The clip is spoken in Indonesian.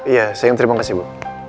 iya sayang terima kasih bu